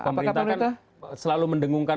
apakah pemerintah selalu mendengungkan